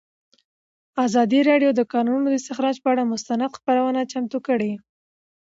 ازادي راډیو د د کانونو استخراج پر اړه مستند خپرونه چمتو کړې.